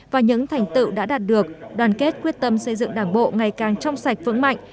và những thành tựu đã đạt được đoàn kết quyết tâm xây dựng đảng bộ ngày càng trong sạch vững mạnh